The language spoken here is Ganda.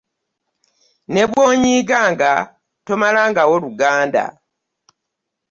Ne bw'onyiiganga tomalangawo oluganda.